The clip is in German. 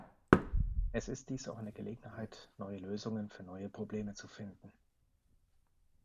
Es ist dies auch eine Gelegenheit, neue Lösungen für neue Probleme zu finden.